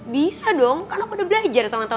bisa dong kan aku udah belajar sama temen temen kampus aku